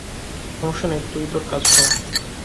সমস্যা নেই, তুই তোর কাজ কর।